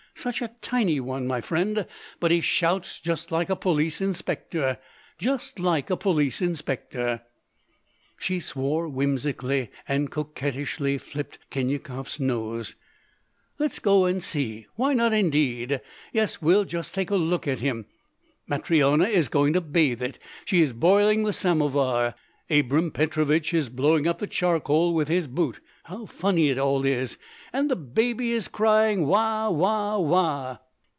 Such a tiny one, my friend, but he shouts just like a police inspector. Just like a police inspector!" She swore whimsically, and coquettishly flipped Khinyakov"s nose. "Let's go and see. Why not, indeed! Yes, we'll just take a look at him. Matryona is going to bathe it; she is boiling the samovar. Abram Petrovich is blowing up the charcoal with his boot. How funny it all is. And the baby is crying: "Wa, wa, wa!""